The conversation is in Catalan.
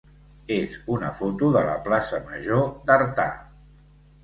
és una foto de la plaça major d'Artà.